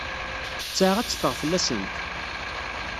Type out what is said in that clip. Ttesɛa ad teffeɣ fell-asent?